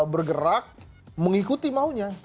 bergerak mengikuti maunya